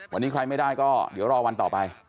วันนี้ใครไม่ได้ก็เดี๋ยวรอวันต่อไป